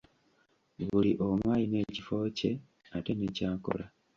Buli omu alina ekifo kye, ate ne ky'akola.